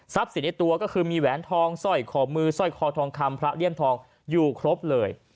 สินในตัวก็คือมีแหวนทองสร้อยคอมือสร้อยคอทองคำพระเลี่ยมทองอยู่ครบเลย